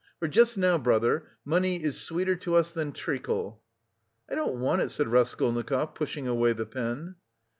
For just now, brother, money is sweeter to us than treacle." "I don't want it," said Raskolnikov, pushing away the pen.